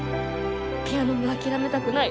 ピアノも諦めたくない。